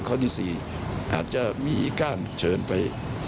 ข้อที่๔อาจจะมีการเชิญไป